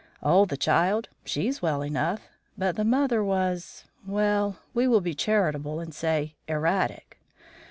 "Oh, the child. She's well enough, but the mother was well, we will be charitable and say erratic.